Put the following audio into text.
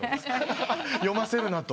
読ませるなと。